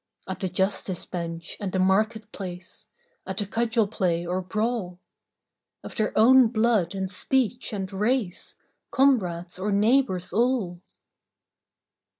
At the justice bench and the market place, At the cudgel play or brawl, Of their own blood and speech and race, Comrades or neighbours all